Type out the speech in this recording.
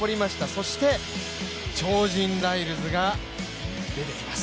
そして超人ライルズが出てきます。